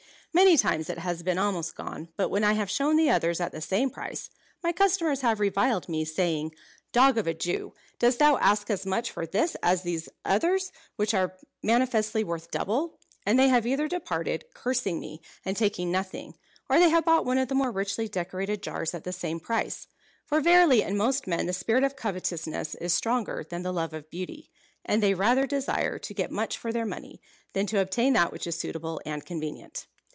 "Many times it has been almost gone, but when I have shown the others at the same price, my customers have reviled me, saying, 'Dog of a Jew, dost thou ask as much for this as for these others Which are manifestly worth double?' and they have either departed, cursing me, and taking nothing; or they have bought one of the more richly decorated jars at the same price. For verily in most men the spirit of covetousness is stronger than the love of beauty, and they rather desire to get much for their money, than to obtain that which is suitable and convenient."